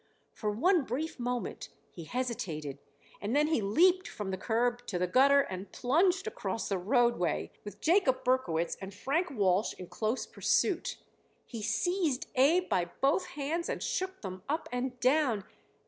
For one brief moment he hesitated and then he leaped from the curb to the gutter and plunged across the roadway, with Jacob Berkowitz and Frank Walsh in close pursuit. He seized Abe by both hands and shook them up and down.